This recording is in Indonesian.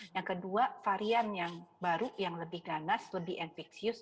yang kedua varian yang baru yang lebih ganas lebih infeksius